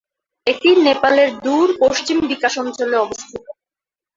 এটি নেপালের দূর-পশ্চিম বিকাশ অঞ্চলে অবস্থিত।